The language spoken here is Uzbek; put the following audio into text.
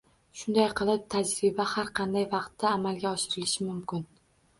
Shunday qilib, tajriba har qanday vaqtda amalga oshirilishi mumkin.